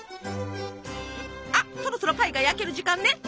あっそろそろパイが焼ける時間ね。